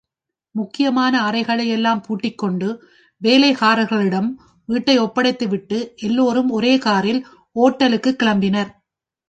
முக்கியமான அறைகளை எல்லாம் பூட்டிக்கொண்டு வேலைக்காரர்களிடம் வீட்டை ஒப்படைத்துவிட்டு, எல்லாரும் ஒரே காரில் ஓட்டலுக்கு கிளம்பினர்.